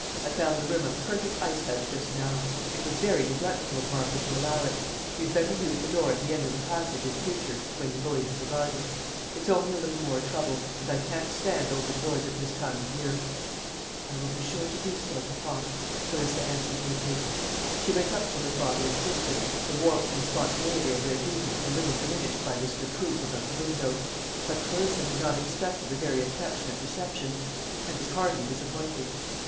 I found the room a perfect ice house just now. It was very neglectful of Martha to allow it. You'd better use the door at the end of the passage in future, when you go into the garden. It's only a little more trouble, and I can't stand open windows at this time of year." "I will be sure to do so, papa," Clarissa answered meekly. She went up to her father and kissed him, the warmth and spontaneity of their greeting a little diminished by this reproof about the window; but Clarissa had not expected a very affectionate reception, and was hardly disappointed.